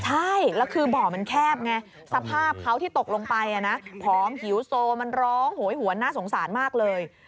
ใช่แล้วคือบ่อมันแคบไงสภาพเขาที่ตกลงไปนะผอมหิวโซมันร้องโหยหวนน่าสงสารมากเลย